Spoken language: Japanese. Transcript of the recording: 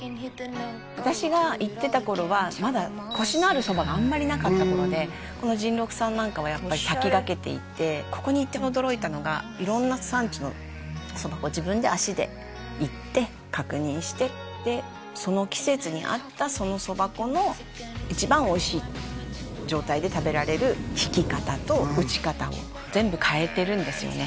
私が行ってた頃はまだコシのある蕎麦があんまりなかった頃でこのじん六さんなんかはやっぱり先駆けていてここに行って驚いたのが色んな産地のそば粉を自分で足で行って確認してでその季節にあったそのそば粉の一番おいしい状態で食べられるひき方と打ち方を全部替えてるんですよね